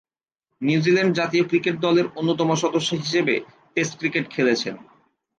New Zealand জাতীয় cricket দলের অন্যতম সদস্য হিসেবে টেস্ট ক্রিকেট খেলছেন।